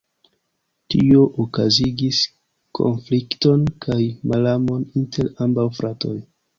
Tio okazigis konflikton kaj malamon inter ambaŭ fratoj.